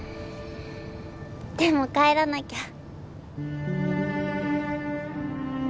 でも帰らなきゃ。